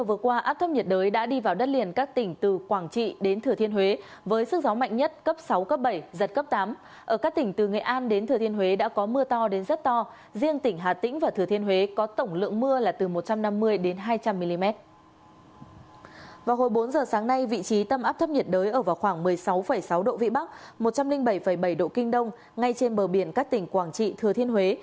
vào hồi bốn giờ sáng nay vị trí tâm áp thấp nhiệt đới ở vào khoảng một mươi sáu sáu độ vĩ bắc một trăm linh bảy bảy độ kinh đông ngay trên bờ biển các tỉnh quảng trị thừa thiên huế